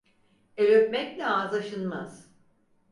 El öpmekle ağız aşınmaz.